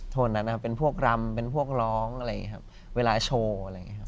โถนนั้นนะครับเป็นพวกรำเป็นพวกร้องอะไรเงี้ยครับเวลาโชว์อะไรเงี้ยครับ